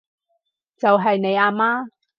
就係你阿媽